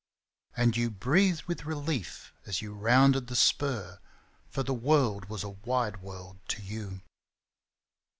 And you breathed with relief as you rounded the spur, For the world was a wide world to you.